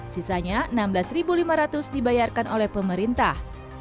sisanya rp enam belas lima ratus dibayarkan oleh pemerintah